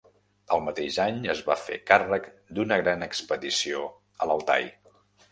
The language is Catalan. El mateix any es va fer càrrec d'una gran expedició a l'Altai.